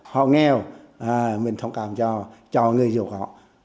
họ nghèo mình thông cảm cho người dù có